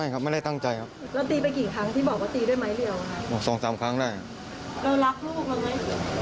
ขอแค่นี้นะรู้สึกผิดไหมครับ